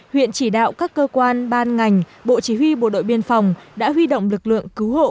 huyện chỉ đạo các cơ quan ban ngành bộ chỉ huy bộ đội biên phòng đã huy động lực lượng cứu hộ